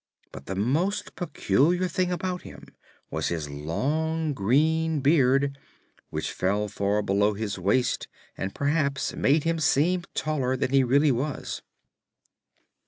But the most peculiar thing about him was his long green beard, which fell far below his waist and perhaps made him seem taller than he really was.